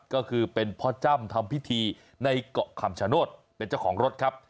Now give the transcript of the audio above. ก็คือเป็นพ่อจ้ำทำพิธีในเกาะคำชโนธเป็นเจ้าของรถครับ